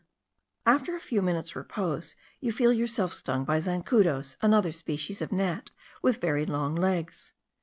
After a few minutes' repose, you feel yourself stung by zancudos, another species of gnat with very long legs.